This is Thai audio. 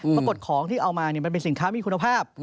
ปรากฏของที่เอามามันเป็นสินค้ามีคุณภาพ